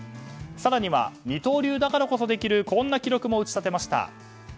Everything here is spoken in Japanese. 更には、二刀流だからこそできるこんな記録も打ち立てました。